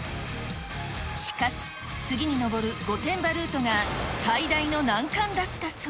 しかし、次に登る御殿場ルートが最大の難関だったそう。